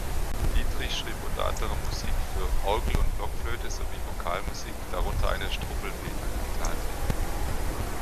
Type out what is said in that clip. Dietrich schrieb unter anderem Musik für Orgel und Blockflöte sowie Vokalmusik, darunter eine Struwwelpeter-Kantate.